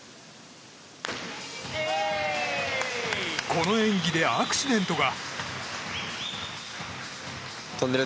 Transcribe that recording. この演技でアクシデントが。